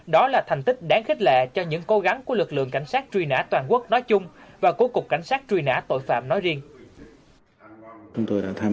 đó là thành tích đáng khích lệ cho những cố gắng của lực lượng cảnh sát truy nã toàn quốc nói chung và của cục cảnh sát truy nã tội phạm nói riêng